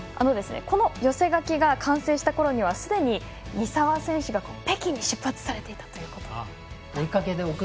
この寄せ書きが完成したころにはすでに三澤選手が北京に出発されていたということで。